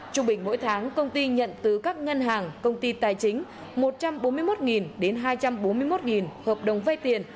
trung bình mỗi tháng công ty nhận từ các ngân hàng công ty tài chính một trăm bốn mươi một đến hai trăm bốn mươi một hợp đồng vay tiền